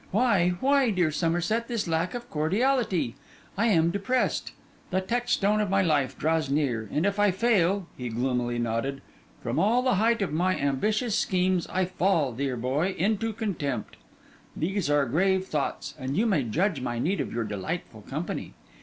Why, why, dear Somerset, this lack of cordiality? I am depressed; the touchstone of my life draws near; and if I fail'—he gloomily nodded—'from all the height of my ambitious schemes, I fall, dear boy, into contempt. These are grave thoughts, and you may judge my need of your delightful company.